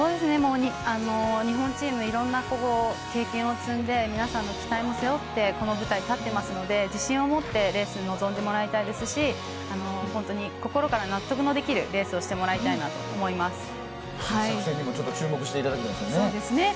日本チームはいろんな経験を積んで皆さんの期待も背負ってこの舞台に立っていますので自信を持ってレースに臨んでもらいたいですし心から納得のできるレースをしてもらいたいです。